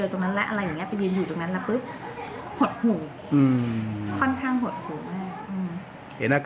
ช่วยกันใส่ข้าก็เข้าปาก